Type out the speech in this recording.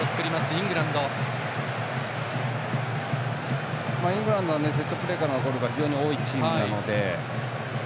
イングランドはセットプレーからのゴールが非常に多いチームなので。